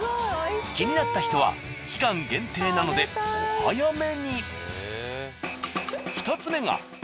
気になった人は期間限定なのでお早めに。